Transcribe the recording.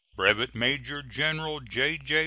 Brevet Major General J.J.